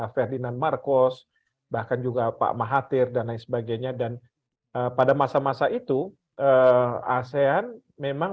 ferdinand marcos bahkan juga pak mahathir dan lain sebagainya dan pada masa masa itu asean memang